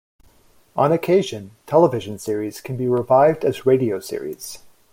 On occasion television series can be revived as radio series.